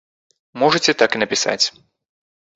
Можаце так і напісаць.